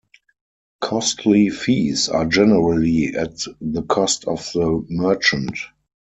Costly fees are generally at the cost of the merchant.